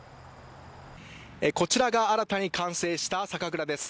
こちらが新たに完成した酒蔵です。